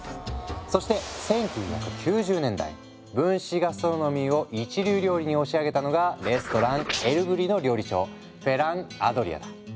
そして１９９０年代分子ガストロノミーを一流料理に押し上げたのがレストラン「エルブリ」の料理長フェラン・アドリアだ。